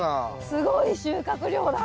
すごい収穫量だ。